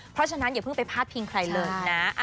เพราะฉะนั้นอย่าเพิ่งไปพาดพิงใครเลยนะ